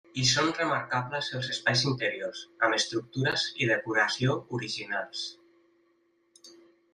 Hi són remarcables els espais interiors, amb estructures i decoració originals.